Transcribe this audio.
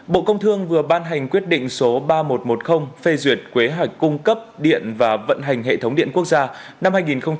bộ công thương vừa ban hành quyết định số ba nghìn một trăm một mươi phê duyệt quế hải cung cấp điện và vận hành hệ thống điện quốc gia năm hai nghìn hai mươi